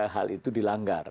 hal itu dilanggar